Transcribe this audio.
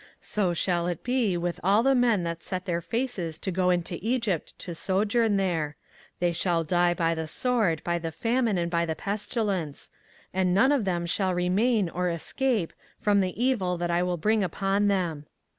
24:042:017 So shall it be with all the men that set their faces to go into Egypt to sojourn there; they shall die by the sword, by the famine, and by the pestilence: and none of them shall remain or escape from the evil that I will bring upon them.